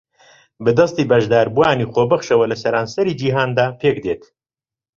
بە دەستی بەشداربووانی خۆبەخشەوە لە سەرانسەری جیھاندا پێکدێت